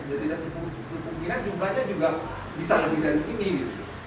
tapi mungkin jumlahnya juga bisa lebih dari ini